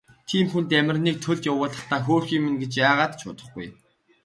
Тийм хүн Дамираныг төлд явуулахдаа хөөрхий минь гэж яагаад ч бодохгүй.